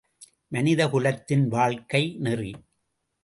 மனிதகுலத்தின் வாழ்க்கை நெறி.